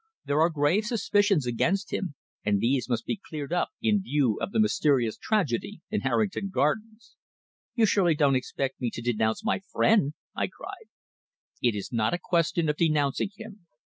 There are grave suspicions against him, and these must be cleared up in view of the mysterious tragedy in Harrington Gardens." "You surely don't expect me to denounce my friend!" I cried. "It is not a question of denouncing him.